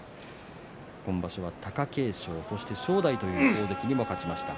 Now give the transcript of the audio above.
今場所は貴景勝、正代という大関にも勝ちました。